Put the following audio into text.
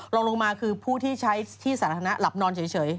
ลองลงมาคือผู้ที่ใช้ที่สาธารณะหลับนอนเฉย